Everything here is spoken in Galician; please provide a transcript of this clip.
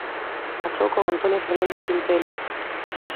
Casou con Antonia Fernández Quintela.